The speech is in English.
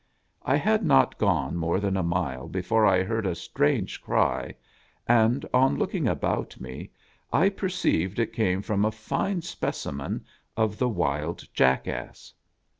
I had not gone more than a mile before I heard a strange cry, and, on looking about me, I perceived it came from a fine specimen of the Wild Jackass.